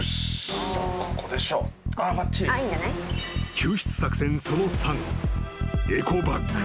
［救出作戦その３］